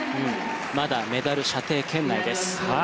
まだメダル射程圏内です。